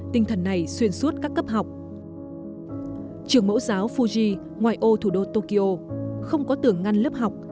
tinh thần này xuyên suốt các cấp học trường mẫu giáo fuji ngoài ô thủ đô tokyo không có tưởng ngăn lớp học